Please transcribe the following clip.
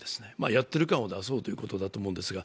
やっている感を出そうということなんだと思いますが。